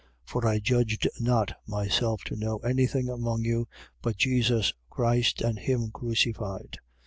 2:2. For I judged not myself to know anything among you, but Jesus Christ: and him crucified.